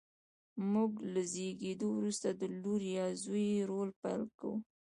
موږ له زېږېدو وروسته د لور یا زوی رول پیل کوو.